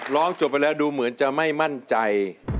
ร้องจบไปแล้วดูเหมือนจะไม่มั่นใจ